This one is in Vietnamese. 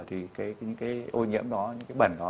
thì cái ô nhiễm đó những cái bẩn đó